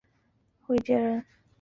卫玠人。